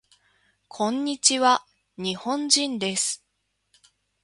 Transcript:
こんにちわ。日本人です。